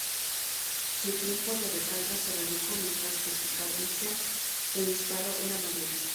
Su tiempo de recarga se redujo, mientras que su cadencia de disparo era mayor.